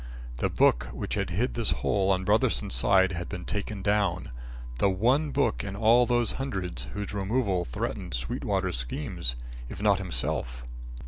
The book which had hid this hole on Brotherson's side had been taken down the one book in all those hundreds whose removal threatened Sweetwater's schemes, if not himself.